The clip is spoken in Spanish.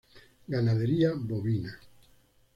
Ganadería bovina.